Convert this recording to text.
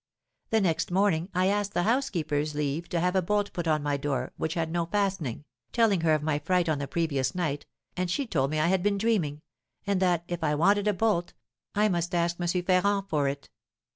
The next morning I asked the housekeeper's leave to have a bolt put on my door, which had no fastening, telling her of my fright on the previous night, and she told me I had been dreaming, and that, if I wanted a bolt, I must ask M. Ferrand for it.